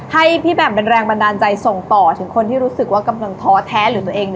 ให้พี่แหม่มเป็นแรงบันดาลใจส่งต่อถึงคนที่รู้สึกว่ากำลังท้อแท้หรือตัวเอง